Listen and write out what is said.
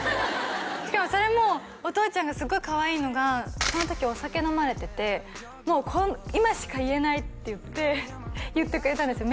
しかもそれもお父ちゃんがすごいかわいいのがその時お酒飲まれてて「もう今しか言えない」って言って言ってくれたんですよ